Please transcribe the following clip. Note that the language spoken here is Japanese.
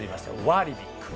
ワーリビック。